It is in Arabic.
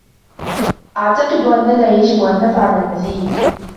أعتقد أننا يجب أن نفعل المزيد.